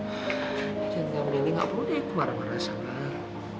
apa apa yang mau dia pakai sama dia gak perlu dia itu marah marah sama aku